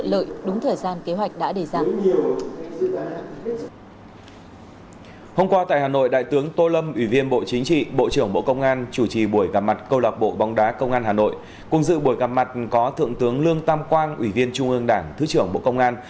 cùng dự buổi gặp mặt có thượng tướng lương tam quang ủy viên trung ương đảng thứ trưởng bộ công an